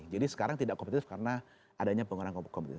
jadi sekarang tidak kompetitif karena adanya pengurangan kompetitif